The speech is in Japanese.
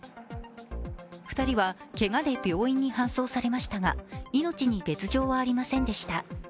２人はけがで病院に搬送されましたが命に別状はありませんでした。